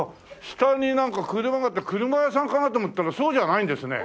下になんか車があって車屋さんかな？と思ったらそうじゃないんですね。